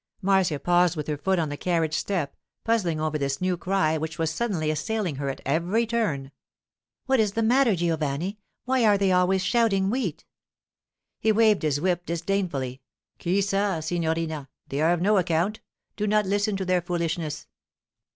Marcia paused with her foot on the carriage step, puzzling over this new cry which was suddenly assailing her at every turn. 'What is the matter, Giovanni? Why are they always shouting "Wheat"?' He waved his whip disdainfully. 'Chi sa, signorina? They are of no account. Do not listen to their foolishness.